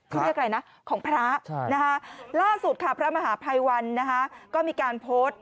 เขาเรียกอะไรนะของพระล่าสุดค่ะพระมหาภัยวันนะคะก็มีการโพสต์